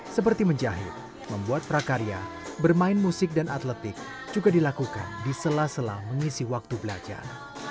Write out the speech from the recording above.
seperti menjahit membuat prakarya bermain musik dan atletik juga dilakukan di sela sela mengisi waktu belajar